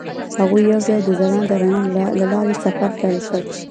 هغوی یوځای د ځلانده رڼا له لارې سفر پیل کړ.